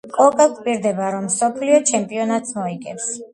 კოკა გვპირდება რომ მსოფლიო ჩემპიონატს მოიგებს